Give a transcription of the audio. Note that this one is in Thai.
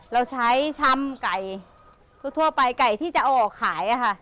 เราใช้ชำไก่ทั่วไปไก่ที่จะเอาออกขายค่ะ